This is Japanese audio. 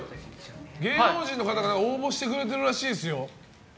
芸能人の方が応募してくれてるらしいですよ。